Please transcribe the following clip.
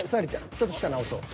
ちょっと下直そう。